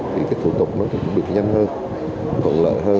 thì thủ tục nó cũng được nhanh hơn thuận lợi hơn